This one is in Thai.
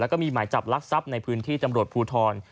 แล้วก็มีหมายจับลักทรัพย์ในพื้นที่ตำรวจภูทร